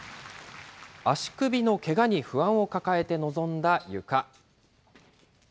足首のけがに不安を抱えて臨んだゆか。